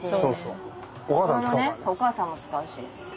お母さんも使うし。